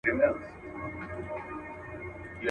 غوړه مال چي چا تر څنګ دی درولی.